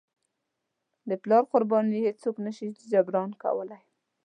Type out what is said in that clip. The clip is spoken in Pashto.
د پلار قرباني هیڅوک نه شي جبران کولی.